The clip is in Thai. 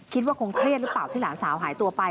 คิดว่าคงเครียดหรือเปล่าที่หลานสาวหายตัวไป